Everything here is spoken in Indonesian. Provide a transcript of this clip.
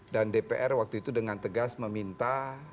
dan dpr waktu itu dengan tegas meminta